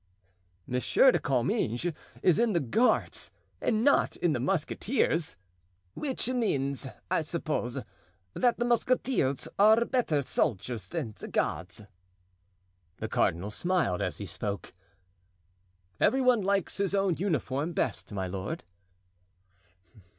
"Monsieur de Comminges is in the guards and not in the musketeers——" "Which means, I suppose, that the musketeers are better soldiers than the guards." The cardinal smiled as he spoke. "Every one likes his own uniform best, my lord."